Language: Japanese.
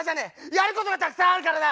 やることがたくさんあるからな！